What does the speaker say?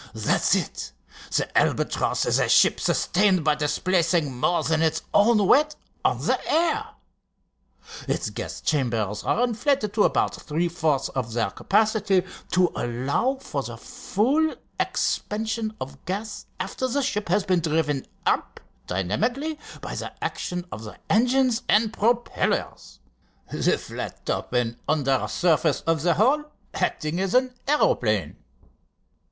"That's it. The Albatross is a ship sustained by displacing more than its own weight on the air. Its gas chambers are inflated to about three fourths of their capacity, to allow for the full expansion of gas after the ship has been driven up dynamically by the action of the engines and propellers, the flat top and under surface of the hull acting as an aeroplane."